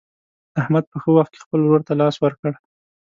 احمد په ښه وخت کې خپل ورور ته لاس ورکړ.